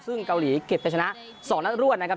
ซึ่งเกาหลีเก็บจะชนะ๒นัดรวดนะครับ